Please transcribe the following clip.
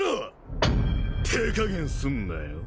手加減すんなよ。